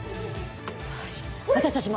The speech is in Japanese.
よし私たちも。